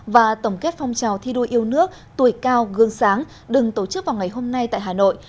và tổng kết phong trào thi đua yêu nước tuổi cao gương sáng đừng tổ chức vào ngày hôm nay tại hà nội